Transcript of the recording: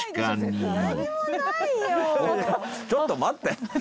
ちょっと待って。